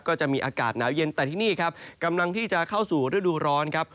ก็จะมีอากาศหนาวเย็นแต่ที่นี่ครับกำลังที่จะเข้าสู่ฤดูร้อนครับ